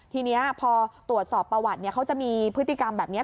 ทีนี้พอตรวจสอบประวัติเขาจะมีพฤติกรรมแบบนี้